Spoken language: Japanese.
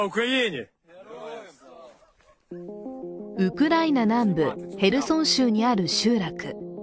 ウクライナ南部ヘルソン州にある集落。